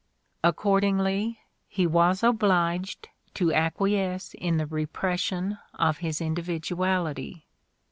Accordingly, he was obliged to acquiesce in the repression of his individuality.